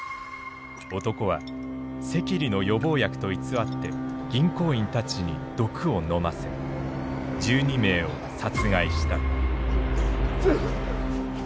男は赤痢の予防薬と偽って銀行員たちに毒を飲ませ１２名を殺害した。